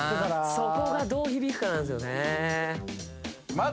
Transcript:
そこがどう響くかなんですよね